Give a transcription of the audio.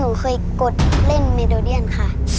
หนูเคยกดเล่นเมโดเดียนค่ะ